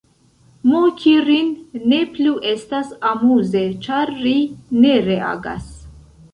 Moki rin ne plu estas amuze ĉar ri ne reagas.